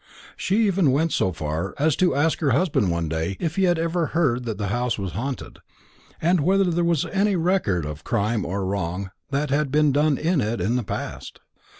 She even went so far as to ask her husband one day if he had ever heard that the house was haunted, and whether there was any record of crime or wrong that had been done in it in the past.